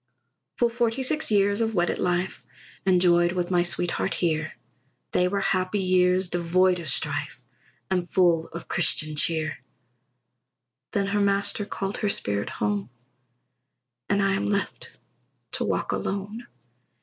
Full forty six years of wedded life, Enjoyed with my sweetheart here; They were happy years, devoid of strife, And full of Christian cheer; Then her Master called her spirit home, And I am left to walk alone.